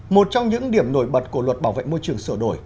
một trong những điểm nổi bật của luật bảo vệ môi trường sửa đổi